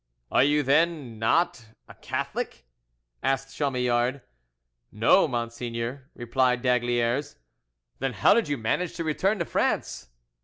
"Are you, then, not a Catholic?" asked Chamillard. "No, monseigneur," replied d'Aygaliers. "Then how did you manage to return to France?"